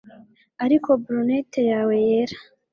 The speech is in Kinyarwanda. Ariko brunette yawe yera